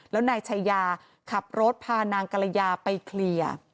แล้วนายชายาขับรถพานางกรยาไปเคลียร์